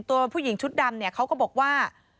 ตัวผู้หญิงชุดดำเนี่ยเขาก็บอกว่า